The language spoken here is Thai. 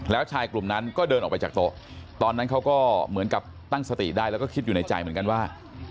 แล้วชายกลุ่มนั้นก็เดินออกไปจากโต๊ะตอนนั้นเขาก็เหมือนกับตั้งสติได้แล้วก็คิดอยู่ในใจเหมือนกันว่า